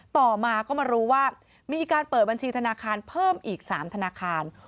ต่อมาก็มารู้ว่ามีการเปิดบัญชีธนาคารเพิ่มอีก๓ธนาคาร